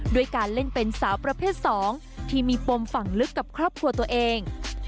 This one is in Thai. ด้วยการเล่นเป็นสาวประเภท๒ที่มีปมฝั่งลึกกับครอบครัวตัวเอง